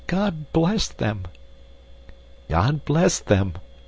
God bless them!" "God bless them!"